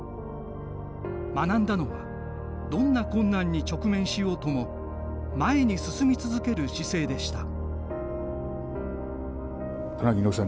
学んだのはどんな困難に直面しようとも前に進み続ける姿勢でした。